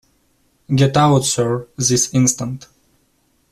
Get out, sir, this instant.